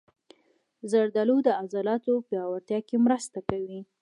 زردالو د عضلاتو پیاوړتیا کې مرسته کوي.